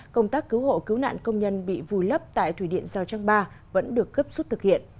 công tác cứu hộ cứu nạn công nhân bị vùi lấp tại thủy điện giao trang ba vẫn được cấp xuất thực hiện